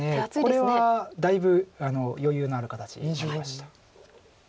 これはだいぶ余裕のある形になりました。